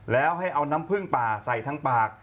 แล้วให้เอาน้ำผึ้งป่าใส่ทั้งปาก